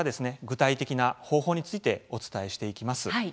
具体的な方法についてお伝えしていきます。